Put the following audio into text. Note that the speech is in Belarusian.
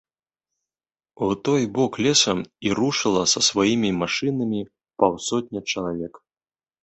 У той бок лесам і рушыла са сваімі машынамі паўсотня чалавек.